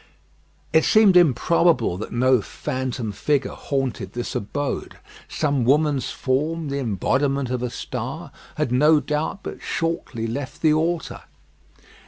It seemed improbable that no phantom figure haunted this abode. Some woman's form, the embodiment of a star, had no doubt but shortly left the altar.